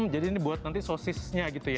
jadi ini buat nanti sosisnya gitu ya